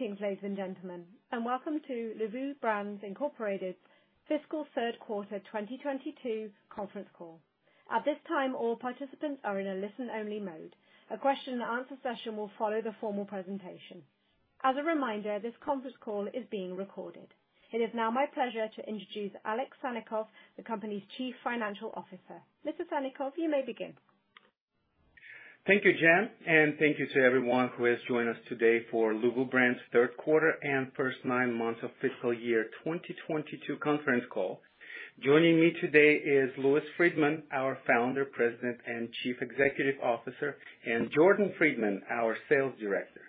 Good evening, ladies and gentlemen, and welcome to Luvu Brands, Inc. Fiscal Q32022 Conference Call. At this time, all participants are in a listen-only mode. A question and answer session will follow the formal presentation. As a reminder, this conference call is being recorded. It is now my pleasure to introduce Alexander Sannikov, the company's Chief Financial Officer. Mr. Sannikov, you may begin. Thank you, Jen, and thank you to everyone who has joined us today for Luvu Brands' third quarter and first nine months of fiscal year 2022 Conference Call. Joining me today is Louis Friedman, our Founder, President, and Chief Executive Officer, and Jordan Friedman, our Sales Director.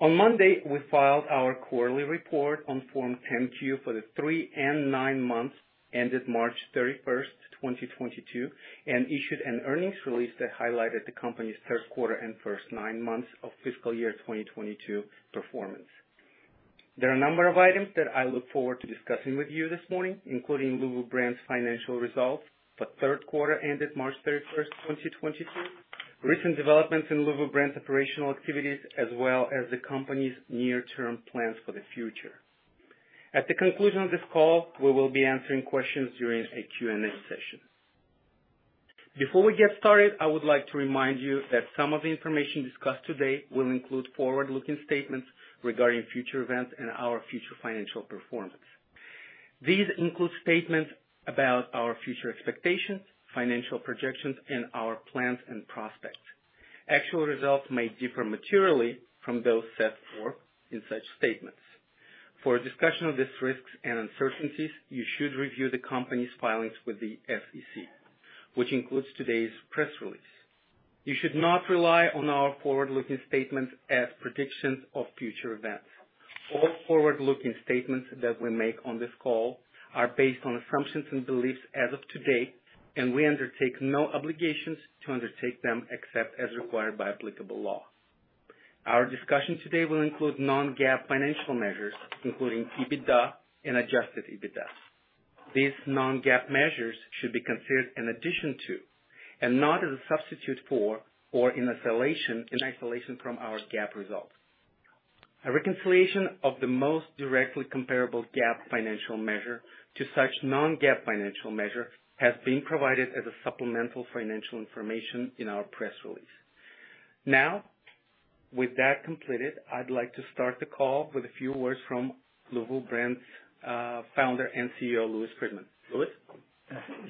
On Monday, we filed our quarterly report on Form 10-Q for the three and nine months ended March 31, 2022, and issued an earnings release that highlighted the company's third quarter and first nine months of fiscal year 2022 performance. There are a number of items that I look forward to discussing with you this morning, including Luvu Brands' financial results for Q3 ended March 31, 2022, recent developments in Luvu Brands' operational activities, as well as the company's near-term plans for the future. At the conclusion of this call, we will be answering questions during a Q&A session. Before we get started, I would like to remind you that some of the information discussed today will include forward-looking statements regarding future events and our future financial performance. These include statements about our future expectations, financial projections, and our plans and prospects. Actual results may differ materially from those set forth in such statements. For a discussion of these risks and uncertainties, you should review the company's filings with the SEC, which includes today's press release. You should not rely on our forward-looking statements as predictions of future events. All forward-looking statements that we make on this call are based on assumptions and beliefs as of today, and we undertake no obligation to update them except as required by applicable law. Our discussion today will include non-GAAP financial measures, including EBITDA and adjusted EBITDA. These non-GAAP measures should be considered in addition to and not as a substitute for or in isolation from our GAAP results. A reconciliation of the most directly comparable GAAP financial measure to such non-GAAP financial measure has been provided as a supplemental financial information in our press release. Now, with that completed, I'd like to start the call with a few words from Luvu Brands' founder and CEO, Louis Friedman. Louis?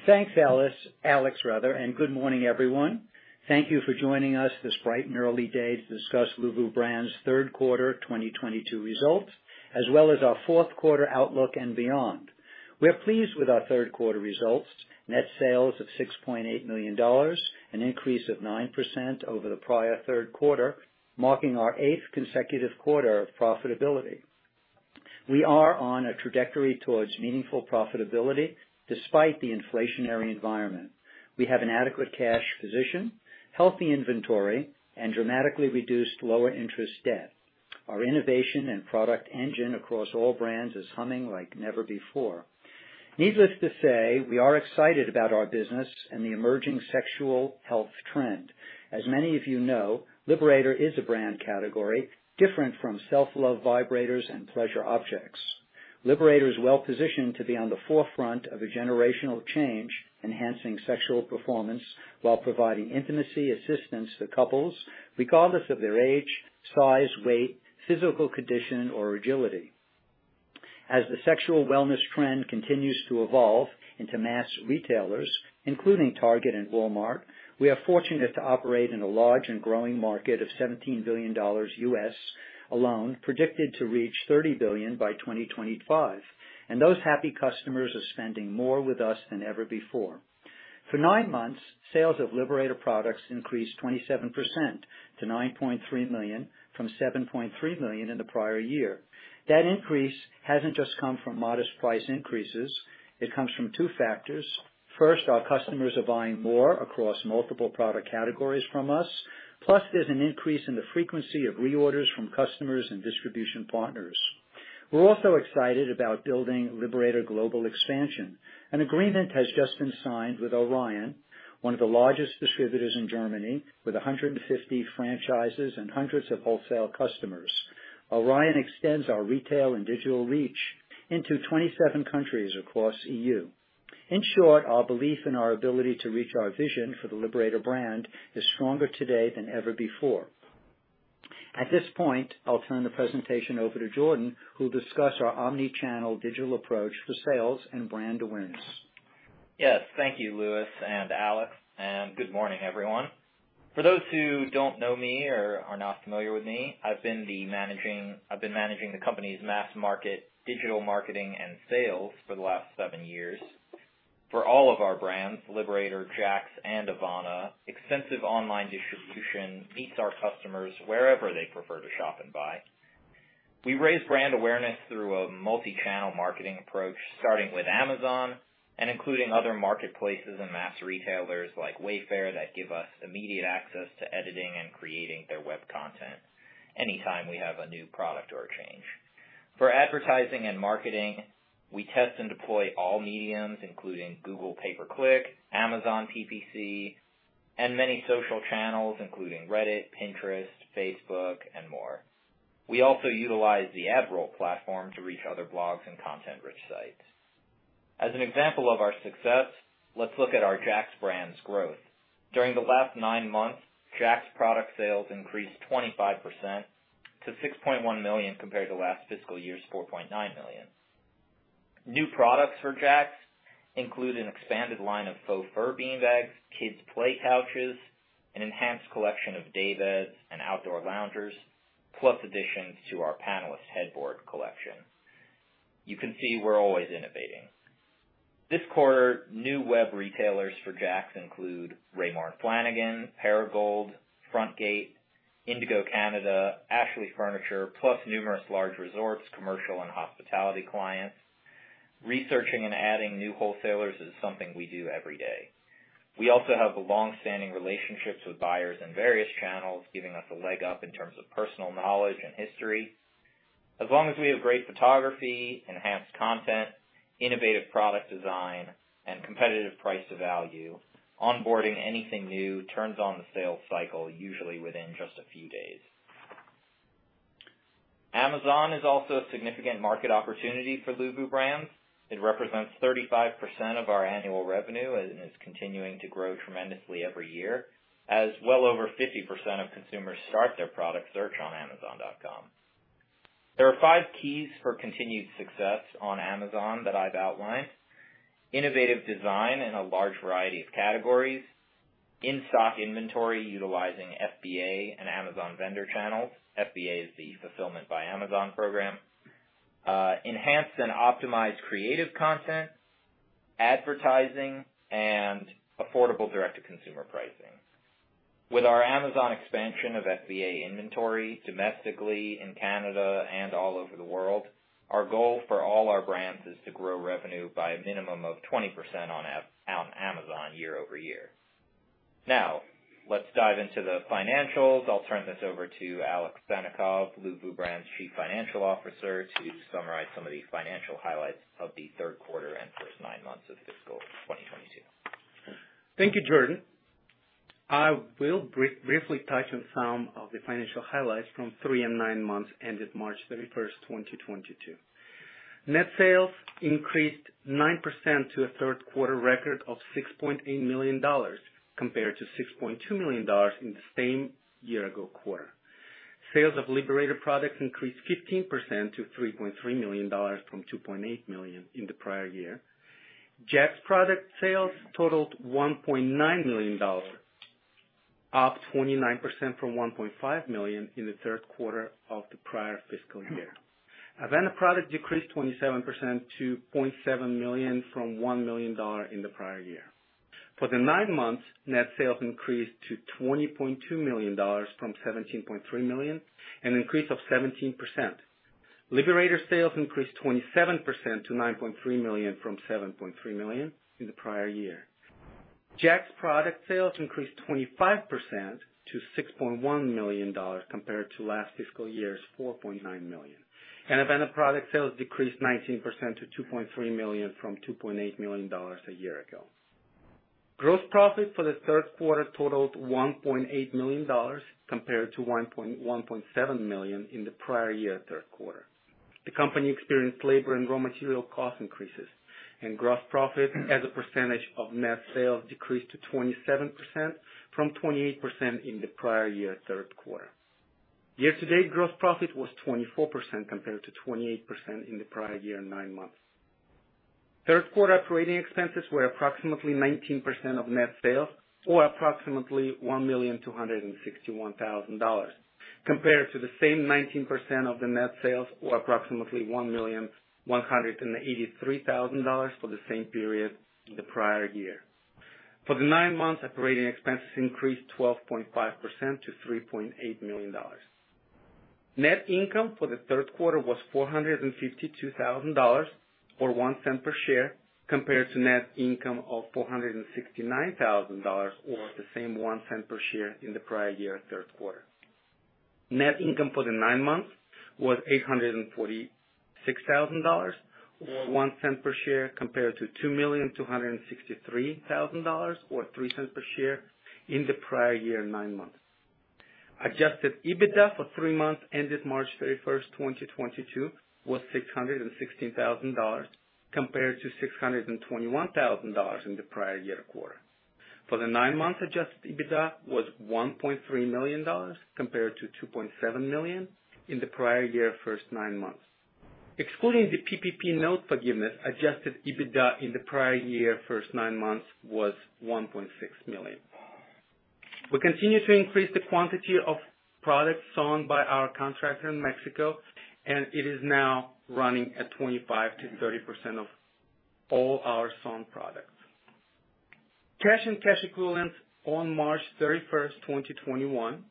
Thanks, Alex. Alex, rather, and good morning, everyone. Thank you for joining us this bright and early day to discuss Luvu Brands' Q32022 results, as well as our Q4 outlook and beyond. We're pleased with our Q3 results. Net sales of $6.8 million, an increase of 9% over the prior third quarter, marking our eighth consecutive quarter of profitability. We are on a trajectory towards meaningful profitability despite the inflationary environment. We have an adequate cash position, healthy inventory, and dramatically reduced lower interest debt. Our innovation and product engine across all brands is humming like never before. Needless to say, we are excited about our business and the emerging sexual health trend. As many of you know, Liberator is a brand category different from self-love vibrators and pleasure objects. Liberator is well-positioned to be on the forefront of a generational change, enhancing sexual performance while providing intimacy assistance to couples, regardless of their age, size, weight, physical condition, or agility. As the sexual wellness trend continues to evolve into mass retailers, including Target and Walmart, we are fortunate to operate in a large and growing market of $17 billion US alone, predicted to reach $30 billion by 2025. Those happy customers are spending more with us than ever before. For nine months, sales of Liberator products increased 27% to $9.3 million from $7.3 million in the prior year. That increase hasn't just come from modest price increases. It comes from two factors. First, our customers are buying more across multiple product categories from us, plus there's an increase in the frequency of reorders from customers and distribution partners. We're also excited about building Liberator global expansion. An agreement has just been signed with Orion, one of the largest distributors in Germany, with 150 franchises and hundreds of wholesale customers. Orion extends our retail and digital reach into 27 countries across EU. In short, our belief in our ability to reach our vision for the Liberator brand is stronger today than ever before. At this point, I'll turn the presentation over to Jordan, who'll discuss our omni-channel digital approach to sales and brand awareness. Yes. Thank you, Louis and Alex, and good morning, everyone. For those who don't know me or are not familiar with me, I've been managing the company's mass market, digital marketing, and sales for the last seven years. For all of our brands, Liberator, Jaxx, and Avana, extensive online distribution meets our customers wherever they prefer to shop and buy. We raise brand awareness through a multi-channel marketing approach, starting with Amazon and including other marketplaces and mass retailers like Wayfair that give us immediate access to editing and creating their web content anytime we have a new product or a change. For advertising and marketing, we test and deploy all mediums, including Google Pay Per Click, Amazon PPC, and many social channels, including Reddit, Pinterest, Facebook, and more. We also utilize the AdRoll platform to reach other blogs and content-rich sites. As an example of our success, let's look at our Jaxx brand's growth. During the last nine months, Jaxx product sales increased 25% to $6.1 million, compared to last fiscal year's $4.9 million. New products for Jaxx include an expanded line of faux fur beanbags, kids play couches, an enhanced collection of daybeds and outdoor loungers, plus additions to our Pebblestone headboard collection. You can see we're always innovating. This quarter, new web retailers for Jaxx include Raymour & Flanigan, Perigold, Frontgate, Indigo Canada, Ashley Furniture, plus numerous large resorts, commercial and hospitality clients. Researching and adding new wholesalers is something we do every day. We also have longstanding relationships with buyers in various channels, giving us a leg up in terms of personal knowledge and history. As long as we have great photography, enhanced content, innovative product design, and competitive price to value, onboarding anything new turns on the sales cycle, usually within just a few days. Amazon is also a significant market opportunity for Luvu Brands. It represents 35% of our annual revenue and is continuing to grow tremendously every year, as well over 50% of consumers start their product search on Amazon.com. There are five keys for continued success on Amazon that I've outlined. Innovative design in a large variety of categories, in-stock inventory utilizing FBA and Amazon vendor channels. FBA is the fulfillment by Amazon program. Enhanced and optimized creative content, advertising, and affordable direct-to-consumer pricing. With our Amazon expansion of FBA inventory domestically, in Canada, and all over the world, our goal for all our brands is to grow revenue by a minimum of 20% on Amazon year-over-year. Now let's dive into the financials. I'll turn this over to Alex Sannikov, Luvu Brands' Chief Financial Officer, to summarize some of the financial highlights of the third quarter and first nine months of fiscal 2022. Thank you, Jordan. I will briefly touch on some of the financial highlights from three and nine months ended March 31, 2022. Net sales increased 9% to a third quarter record of $6.8 million compared to $6.2 million in the same year-ago quarter. Sales of Liberator products increased 15% to $3.3 million from $2.8 million in the prior year. Jaxx product sales totalled $1.9 million, up 29% from $1.5 million in the third quarter of the prior fiscal year. Avana product decreased 27% to $0.7 million from $1 million in the prior year. For the nine months, net sales increased to $20.2 million from $17.3 million, an increase of 17%. Liberator sales increased 27% to $9.3 million from $7.3 million in the prior year. Jaxx product sales increased 25% to $6.1 million compared to last fiscal year's $4.9 million. Avana product sales decreased 19% to $2.3 million from $2.8 million a year ago. Gross profit for the third quarter totaled $1.8 million compared to $1.7 million in the prior year third quarter. The company experienced labor and raw material cost increases, and gross profit as a percentage of net sales decreased to 27% from 28% in the prior year third quarter. Year-to-date gross profit was 24% compared to 28% in the prior year nine months. Third quarter operating expenses were approximately 19% of net sales, or approximately $1.261 million, compared to the same 19% of net sales, or approximately $1.183 million for the same period in the prior year. For the nine months, operating expenses increased 12.5% to $3.8 million. Net income for the third quarter was $452,000, or $0.01 per share, compared to net income of $469,000 or the same $0.01 per share in the prior year third quarter. Net income for the nine months was $846,000 or $0.01 per share compared to $2.263 million or $0.03 per share in the prior year nine months. Adjusted EBITDA for three months ended March 31, 2022, was $616,000 compared to $621,000 in the prior year quarter. For the nine months, adjusted EBITDA was $1.3 million compared to $2.7 million in the prior year first nine months. Excluding the PPP note forgiveness, adjusted EBITDA in the prior year first nine months was $1.6 million. We continue to increase the quantity of products sewn by our contractor in Mexico, and it is now running at 25%-30% of all our sewn products. Cash and cash equivalents on March 31, 2021.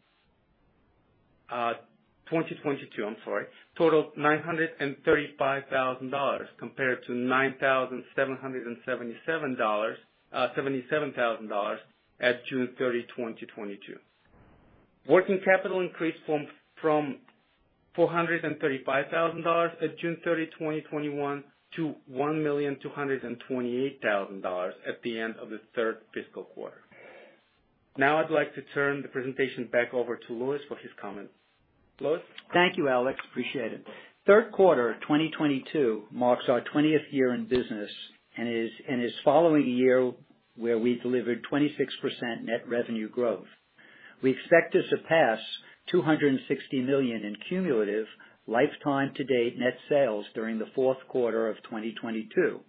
2022, I'm sorry, totaled $935,000 compared to $77,000 at June 30, 2022. Working capital increased from $435,000 at June 30, 2021 to $1,228,000 at the end of the third fiscal quarter. Now I'd like to turn the presentation back over to Louis for his comments. Louis? Thank you, Alex. Appreciate it. Third quarter, 2022 marks our 20th year in business and is following a year where we delivered 26% net revenue growth. We expect to surpass $260 million in cumulative lifetime to date net sales during the fourth quarter of 2022.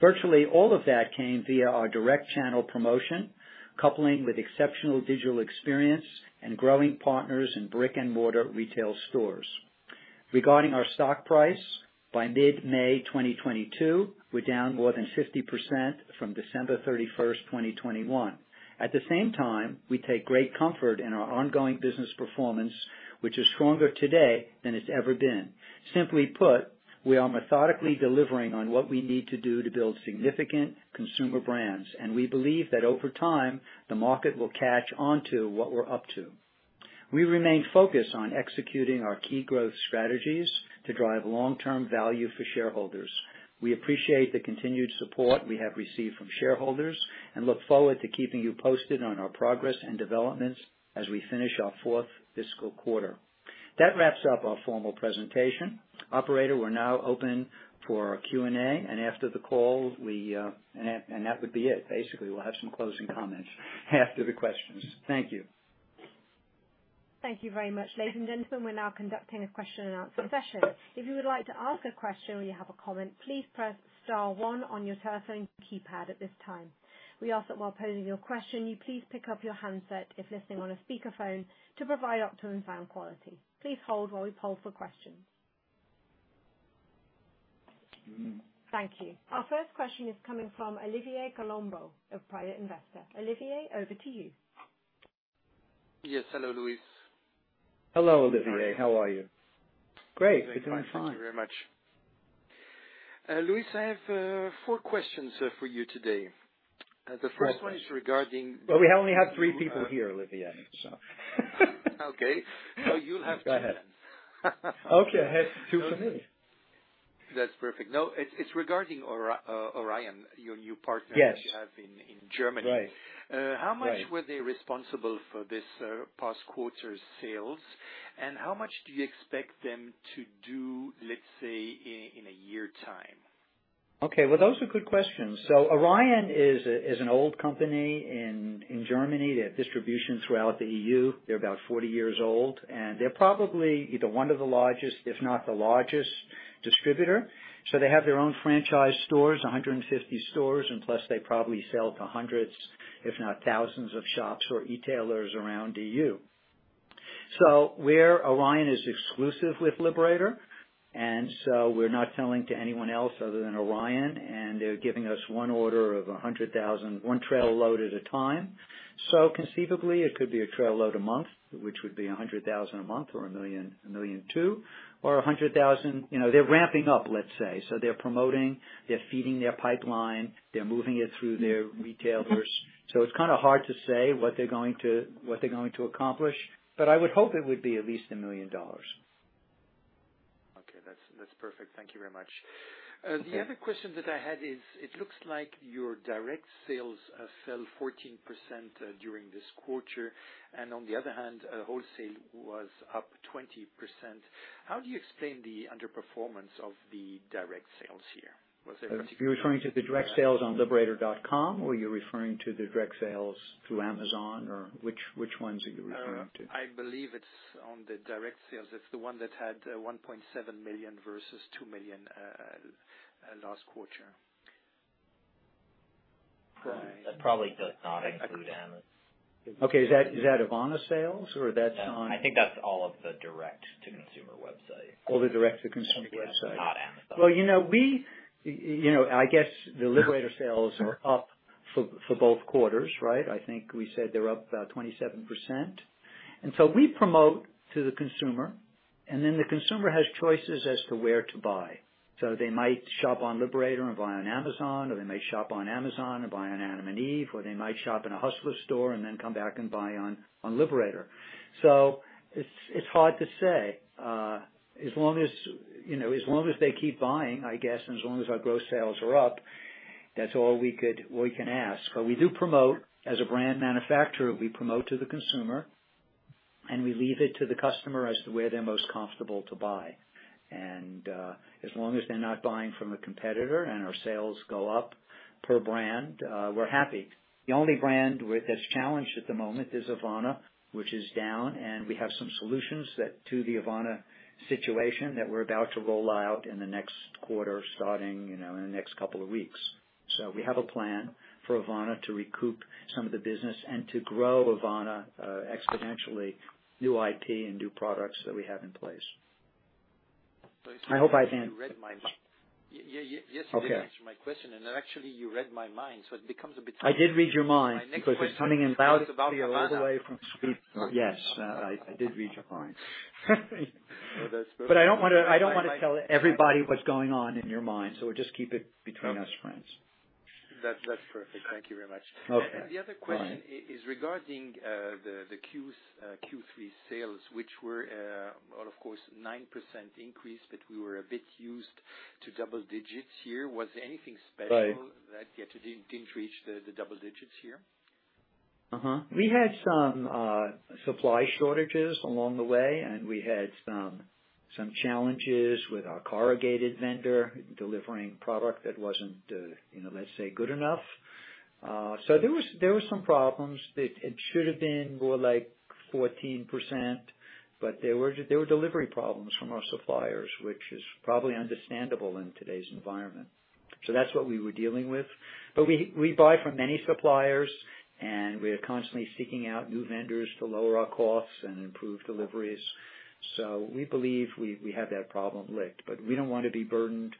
Virtually all of that came via our direct channel promotion, coupling with exceptional digital experience and growing partners in brick-and-mortar retail stores. Regarding our stock price, by mid-May 2022, we're down more than 50% from December 31, 2021. At the same time, we take great comfort in our ongoing business performance, which is stronger today than it's ever been. Simply put, we are methodically delivering on what we need to do to build significant consumer brands, and we believe that over time, the market will catch on to what we're up to. We remain focused on executing our key growth strategies to drive long-term value for shareholders. We appreciate the continued support we have received from shareholders and look forward to keeping you posted on our progress and developments as we finish our fourth fiscal quarter. That wraps up our formal presentation. Operator, we're now open for our Q&A. That would be it. Basically, we'll have some closing comments after the questions. Thank you. Thank you very much. Ladies and gentlemen, we're now conducting a question and answer session. If you would like to ask a question or you have a comment, please press star one on your telephone keypad at this time. We ask that while posing your question, you please pick up your handset if listening on a speakerphone to provide optimum sound quality. Please hold while we poll for questions. Thank you. Our first question is coming from Olivier Colombo, a private investor. Olivier, over to you. Yes. Hello, Louis. Hello, Olivier. How are you? Great. We're doing fine. Thank you very much. Louis, I have four questions for you today. The first one is regarding- We only have three people here, Olivier, so. Okay. You'll have two then. Go ahead. Okay. I have 2 for me. That's perfect. No, it's regarding Orion, your new partner- Yes that you have in Germany. Right. Uh, how much- Right Were they responsible for this past quarter's sales, and how much do you expect them to do, let's say, in a year time? Okay. Well, those are good questions. Orion is an old company in Germany. They have distribution throughout the EU. They're about 40 years old, and they're probably either one of the largest, if not the largest distributor. They have their own franchise stores, 150 stores, and plus they probably sell to hundreds if not thousands of shops or e-tailers around EU. Orion is exclusive with Liberator, and we're not selling to anyone else other than Orion, and they're giving us one order of 100,000, one trailer load at a time. Conceivably it could be a trailer load a month, which would be 100,000 a month or 1 million, 1 million or two or 100,000. You know, they're ramping up, let's say. They're promoting, they're feeding their pipeline, they're moving it through their retailers. It's kind of hard to say what they're going to accomplish, but I would hope it would be at least $1 million. Okay. That's perfect. Thank you very much. Okay. The other question that I had is, it looks like your direct sales fell 14% during this quarter, and on the other hand, wholesale was up 20%. How do you explain the underperformance of the direct sales here? Was there a particular- You're referring to the direct sales on Liberator.com or you're referring to the direct sales through Amazon or which ones are you referring to? I believe it's on the direct sales. It's the one that had $1.7 million versus $2 million last quarter. Right. That probably does not include Amazon. Is that Avana sales or that's on- No, I think that's all of the direct-to-consumer websites. All the direct-to-consumer websites. Not Amazon. Well, you know, I guess the Liberator sales are up for both quarters, right? I think we said they're up about 27%. We promote to the consumer, and then the consumer has choices as to where to buy. They might shop on Liberator and buy on Amazon, or they may shop on Amazon or buy on Adam & Eve, or they might shop in a Hustler store and then come back and buy on Liberator. It's hard to say. As long as, you know, as long as they keep buying, I guess, and as long as our gross sales are up, that's all we can ask. We do promote, as a brand manufacturer, we promote to the consumer, and we leave it to the customer as to where they're most comfortable to buy. As long as they're not buying from a competitor and our sales go up per brand, we're happy. The only brand with this challenge at the moment is Avana, which is down, and we have some solutions to the Avana situation that we're about to roll out in the next quarter, starting, you know, in the next couple of weeks. We have a plan for Avana to recoup some of the business and to grow Avana exponentially, new IT and new products that we have in place. It's like. I hope I didn't. Yes. Okay You did answer my question, and actually you read my mind, so it becomes a bit- I did read your mind because it's coming in loud and clear all the way from Sweden. My next question is about Avana. Yes. I did read your mind. Well, that's perfect. I don't wanna tell everybody what's going on in your mind, so we'll just keep it between us friends. That, that's perfect. Thank you very much. Okay. The other question. Fine. This is regarding the Q3 sales, which were, well, of course, 9% increase, but we were a bit used to double digits here. Was there anything special- Right. that you didn't reach the double digits here? We had some supply shortages along the way, and we had some challenges with our corrugated vendor delivering product that wasn't, you know, let's say good enough. There were some problems that it should have been more like 14%, but there were delivery problems from our suppliers, which is probably understandable in today's environment. That's what we were dealing with. We buy from many suppliers, and we're constantly seeking out new vendors to lower our costs and improve deliveries. We believe we have that problem licked, but we don't want to be burdened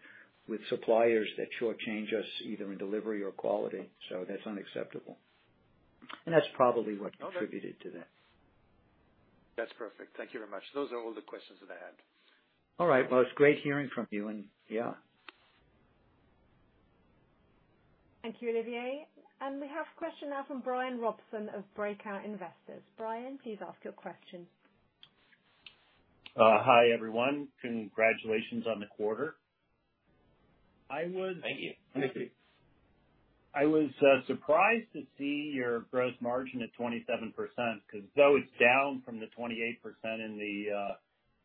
with suppliers that shortchange us either in delivery or quality. That's unacceptable. That's probably what contributed to that. That's perfect. Thank you very much. Those are all the questions that I had. All right. Well, it's great hearing from you. Yeah. Thank you, Olivier. We have a question now from Bryan Robson of Breakout Investors. Bryan, please ask your question. Hi, everyone. Congratulations on the quarter. I would. Thank you. I was surprised to see your gross margin at 27%, because though it's down from the 28% in the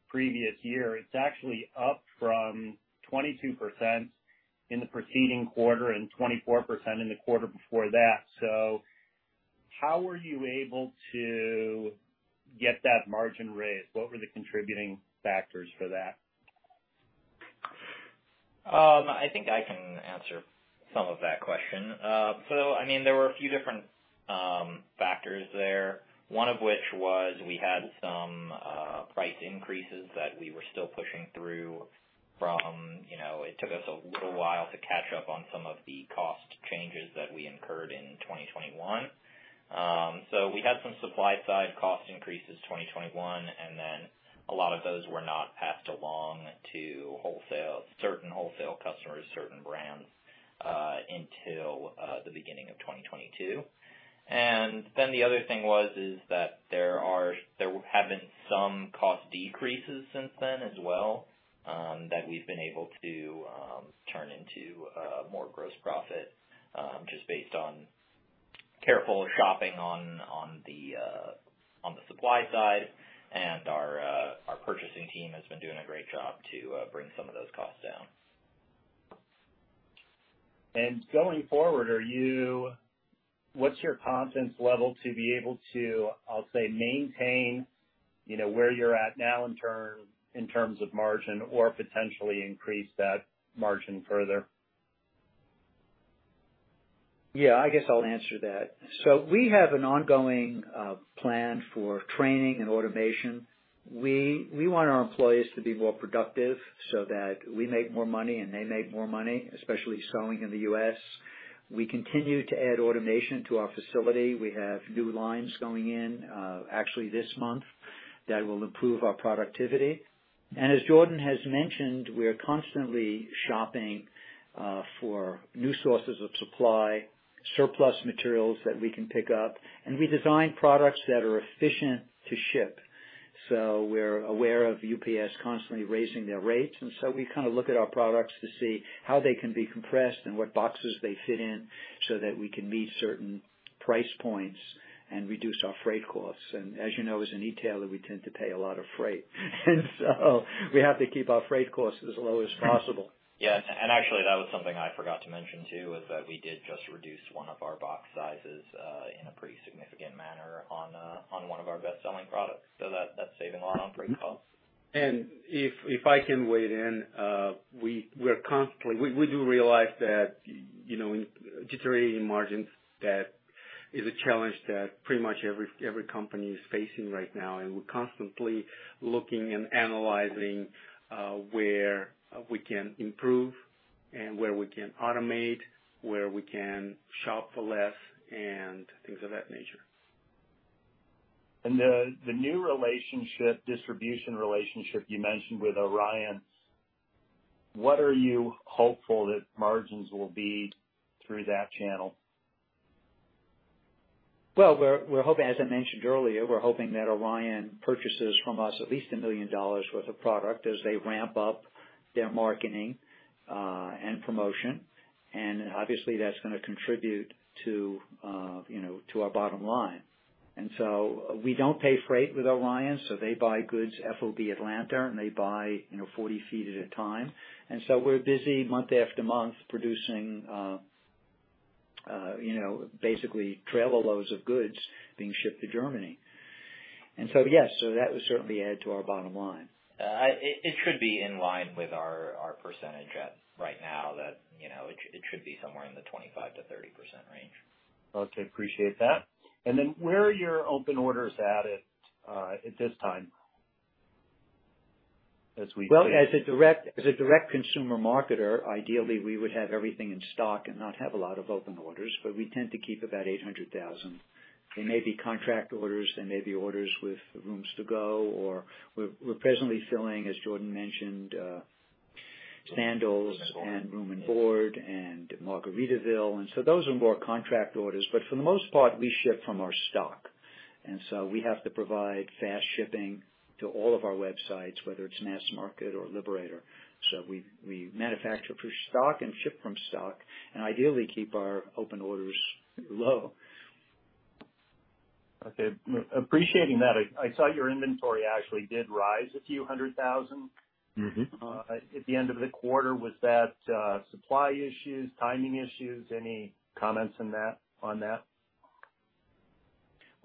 previous year, it's actually up from 22% in the preceding quarter and 24% in the quarter before that. How were you able to get that margin raised? What were the contributing factors for that? I think I can answer some of that question. I mean, there were a few different factors there. One of which was we had some price increases that we were still pushing through from, you know, it took us a little while to catch up on some of the cost changes that we incurred in 2021. We had some supply side cost increases 2021, and then a lot of those were not passed along to certain wholesale customers, certain brands, until the beginning of 2022. Then the other thing was, there have been some cost decreases since then as well, that we've been able to turn into more gross profit, just based on careful shopping on the supply side. Our purchasing team has been doing a great job to bring some of those costs down. Going forward, are you, what's your confidence level to be able to, I'll say, maintain, you know, where you're at now in terms of margin or potentially increase that margin further? Yeah, I guess I'll answer that. We have an ongoing plan for training and automation. We want our employees to be more productive so that we make more money and they make more money, especially selling in the U.S. We continue to add automation to our facility. We have new lines going in, actually this month that will improve our productivity. As Jordan has mentioned, we are constantly shopping for new sources of supply, surplus materials that we can pick up. We design products that are efficient to ship. We're aware of UPS constantly raising their rates. We kind of look at our products to see how they can be compressed and what boxes they fit in so that we can meet certain price points and reduce our freight costs. As you know, as a retailer, we tend to pay a lot of freight. We have to keep our freight costs as low as possible. Yeah. Actually that was something I forgot to mention too, is that we did just reduce one of our box sizes in a pretty significant manner on one of our best-selling products. That's saving a lot on freight costs. If I can weigh in, we do realize that, you know, in deteriorating margins, that is a challenge that pretty much every company is facing right now. We're constantly looking and analyzing where we can improve and where we can automate, where we can shop for less, and things of that nature. The new distribution relationship you mentioned with Orion, what are you hopeful that margins will be through that channel? Well, we're hoping, as I mentioned earlier, we're hoping that Orion purchases from us at least $1 million worth of product as they ramp up their marketing, and promotion. Obviously, that's gonna contribute to, you know, to our bottom line. We don't pay freight with Orion, so they buy goods FOB Atlanta, and they buy, you know, 40 feet at a time. We're busy month after month producing, you know, basically trailer loads of goods being shipped to Germany. Yes, that would certainly add to our bottom line. It should be in line with our percentage right now. You know, it should be somewhere in the 25%-30% range. Okay. Appreciate that. Where are your open orders at this time as we- Well, as a direct consumer marketer, ideally, we would have everything in stock and not have a lot of open orders, but we tend to keep about $800,000. They may be contract orders, they may be orders with Rooms To Go, or we're presently filling, as Jordan mentioned, Sandals- Room & Board. Room & Board and Margaritaville. Those are more contract orders. For the most part, we ship from our stock, and so we have to provide fast shipping to all of our websites, whether it's mass market or Liberator. We manufacture for stock and ship from stock and ideally keep our open orders low. Appreciating that, I saw your inventory actually did rise $a few hundred thousands. At the end of the quarter. Was that supply issues, timing issues? Any comments on that?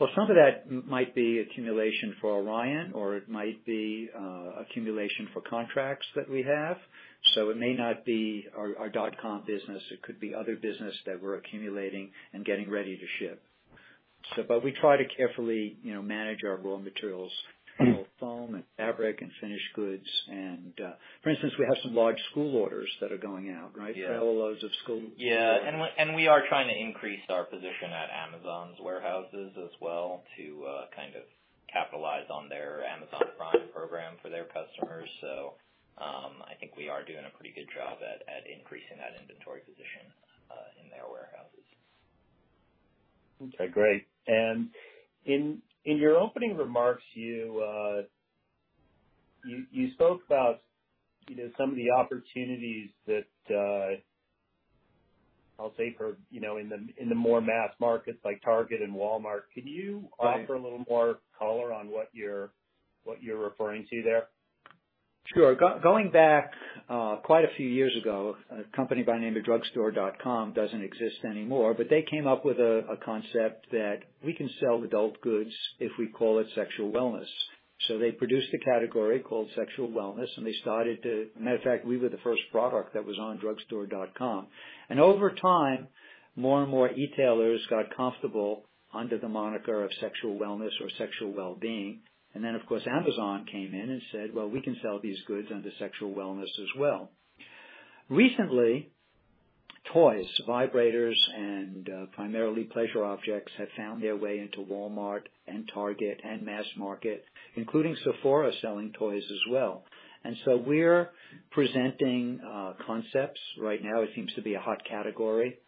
Well, some of that might be accumulation for Orion, or it might be accumulation for contracts that we have. It may not be our dot-com business. It could be other business that we're accumulating and getting ready to ship. We try to carefully, you know, manage our raw materials. Foa m and fabric and finished goods. For instance, we have some large school orders that are going out, right? Yeah. Trailer loads of school. Yeah, we are trying to increase our position at Amazon's warehouses as well to kind of capitalize on their Amazon Prime program for their customers. I think we are doing a pretty good job at increasing that inventory position in their warehouses. Okay, great. In your opening remarks, you spoke about, you know, some of the opportunities that I'll say for, you know, in the more mass markets like Target and Walmart. Can you offer a little more color on what you're referring to there? Sure. Going back quite a few years ago, a company by the name of drugstore.com, doesn't exist anymore, but they came up with a concept that we can sell adult goods if we call it sexual wellness. They produced a category called sexual wellness, and they started to. Matter of fact, we were the first product that was on drugstore.com. Over time, more and more e-tailers got comfortable under the moniker of sexual wellness or sexual well-being. Then, of course, Amazon came in and said, "Well, we can sell these goods under sexual wellness as well." Recently, toys, vibrators and primarily pleasure objects have found their way into Walmart and Target and mass market, including Sephora selling toys as well. We're presenting concepts. Right now it seems to be a hot category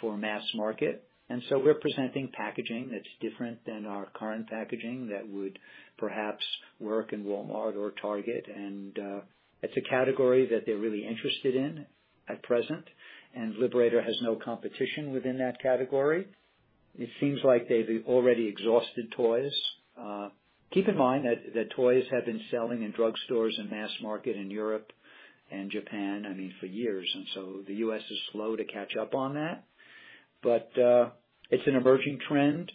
for mass market, and so we're presenting packaging that's different than our current packaging that would perhaps work in Walmart or Target. It's a category that they're really interested in at present, and Liberator has no competition within that category. It seems like they've already exhausted toys. Keep in mind that toys have been selling in drugstores and mass market in Europe and Japan, I mean, for years, and so the US is slow to catch up on that. It's an emerging trend.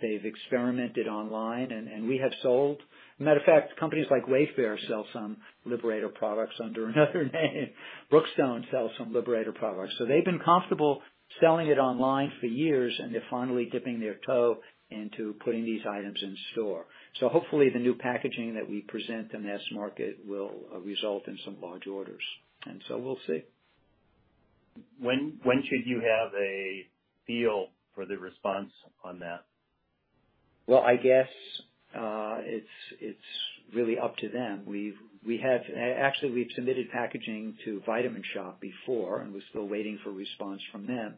They've experimented online, and we have sold. Matter of fact, companies like Wayfair sell some Liberator products under another name. Brookstone sells some Liberator products. So they've been comfortable selling it online for years, and they're finally dipping their toe into putting these items in store. Hopefully the new packaging that we present in mass market will result in some large orders. We'll see. When should you have a feel for the response on that? Well, I guess, it's really up to them. Actually, we've submitted packaging to The Vitamin Shoppe before, and we're still waiting for response from them.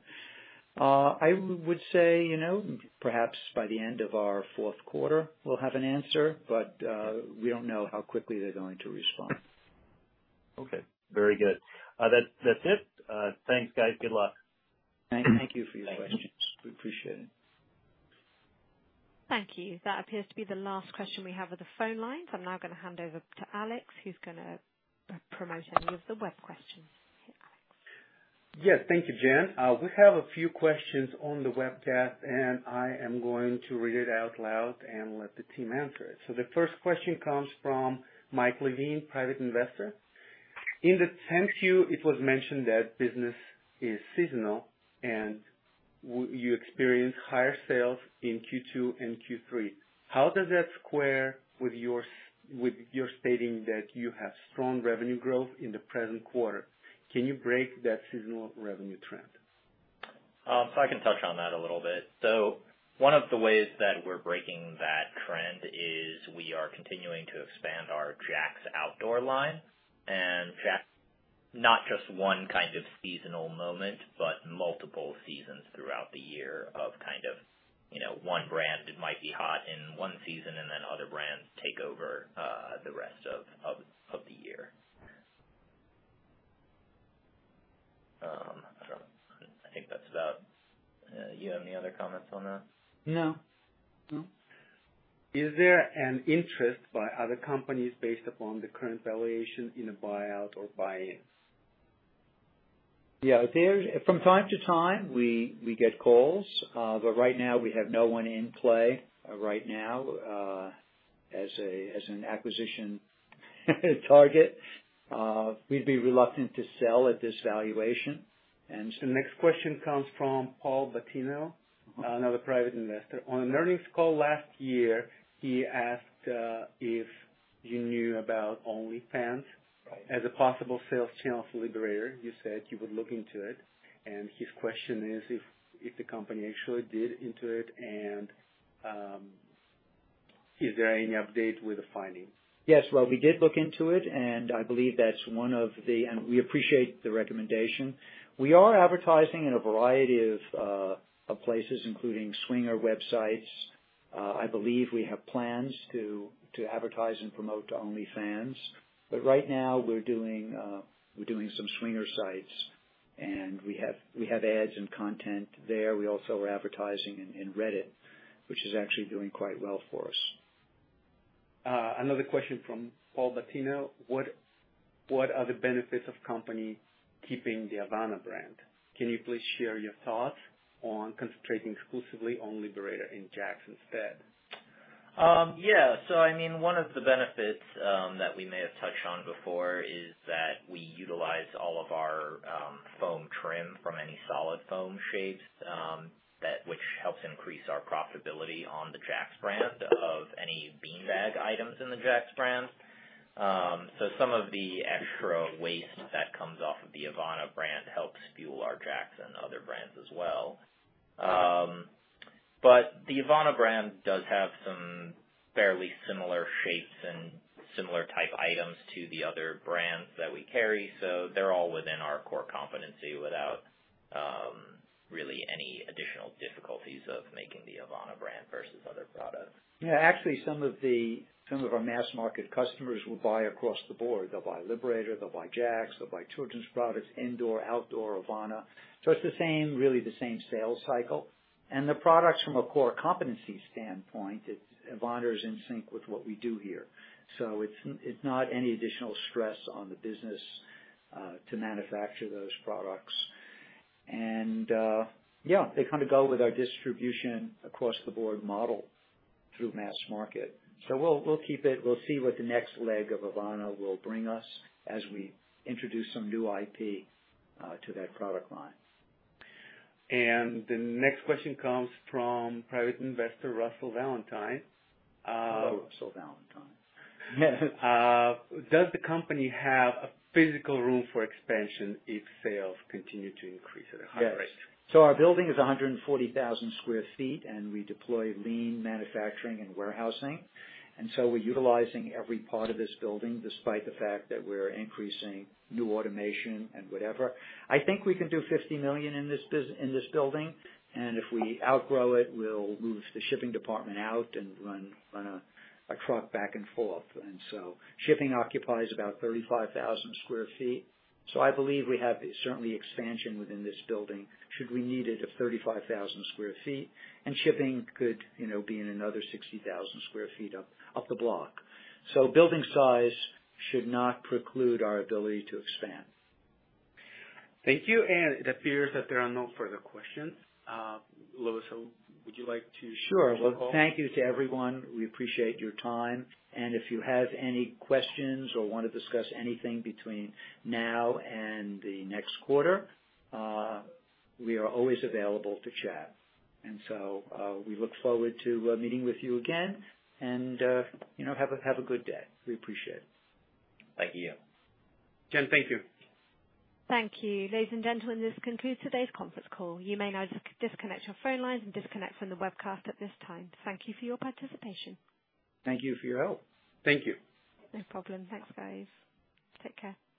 I would say, you know, perhaps by the end of our fourth quarter we'll have an answer, but we don't know how quickly they're going to respond. Okay. Very good. That's it. Thanks, guys. Good luck. Thank you for your questions. Thank you. We appreciate it. Thank you. That appears to be the last question we have on the phone lines. I'm now gonna hand over to Alex, who's gonna promote any of the web questions. Alex? Yes. Thank you, Jen. We have a few questions on the webcast, and I am going to read it out loud and let the team answer it. The first question comes from Mike Levine, Private Investor. In the 10-Q, it was mentioned that business is seasonal and you experience higher sales in Q2 and Q3. How does that square with your stating that you have strong revenue growth in the current quarter? Can you break down that seasonal revenue trend? I can touch on that a little bit. One of the ways that we're breaking that trend is we are continuing to expand our Jaxx outdoor line. Jaxx, not just one kind of seasonal moment, but multiple seasons throughout the year, kind of, you know, one brand might be hot in one season and then other brands take over the rest of the year. You have any other comments on that? No. No. Is there an interest by other companies based upon the current valuation in a buyout or buy-in? Yeah. From time to time, we get calls, but right now we have no one in play right now, as an acquisition target. We'd be reluctant to sell at this valuation and The next question comes from Paul Battino, another private investor. On an earnings call last year, he asked if you knew about Only Fans as a possible sales channel for Liberator. You said you would look into it, and his question is if the company actually did into it and is there any update with the findings? Yes. We did look into it, and I believe that's one of the. We appreciate the recommendation. We are advertising in a variety of places, including swinger websites. I believe we have plans to advertise and promote OnlyFans. Right now we're doing some swinger sites, and we have ads and content there. We also are advertising in Reddit, which is actually doing quite well for us. Another question from Paul Battino. What are the benefits of company keeping the Avana brand? Can you please share your thoughts on concentrating exclusively on Liberator and Jaxx instead? I mean, one of the benefits that we may have touched on before is that we utilize all of our foam trim from any solid foam shapes that which helps increase our profitability on the Jaxx brand of any beanbag items in the Jaxx brand. Some of the extra waste that comes off of the Avana brand helps fuel our Jaxx and other brands as well. The Avana brand does have some fairly similar shapes and similar type items to the other brands that we carry, so they're all within our core competency without really any additional difficulties of making the Avana brand versus other products. Yeah. Actually, some of our mass market customers will buy across the board. They'll buy Liberator, they'll buy Jaxx, they'll buy children's products, indoor, outdoor, Avana. It's the same, really the same sales cycle. The products from a core competency standpoint, it's Avana is in sync with what we do here. It's not any additional stress on the business to manufacture those products. Yeah, they kinda go with our distribution across the board model through mass market. We'll keep it. We'll see what the next leg of Avana will bring us as we introduce some new IP to that product line. The next question comes from Private Investor Russell Valentine. Hello, Russell Valentine. Does the company have a physical room for expansion if sales continue to increase at a high rate? Yes. Our building is 140,000 sq ft, and we deploy lean manufacturing and warehousing. We're utilizing every part of this building despite the fact that we're increasing new automation and whatever. I think we can do $50 million in this building, and if we outgrow it, we'll move the shipping department out and run a truck back and forth. Shipping occupies about 35,000 sq ft. I believe we have certainly expansion within this building, should we need it, of 35,000 sq ft. Shipping could, you know, be in another 60,000 sq ft up the block. Building size should not preclude our ability to expand. Thank you. It appears that there are no further questions. Louis, so would you like to share your call? Sure. Well, thank you to everyone. We appreciate your time. If you have any questions or wanna discuss anything between now and the next quarter, we are always available to chat. We look forward to meeting with you again and, you know, have a good day. We appreciate it. Thank you. Jen, thank you. Thank you. Ladies and gentlemen, this concludes today's conference call. You may now disconnect your phone lines and disconnect from the webcast at this time. Thank you for your participation. Thank you for your help. Thank you. No problem. Thanks, guys. Take care.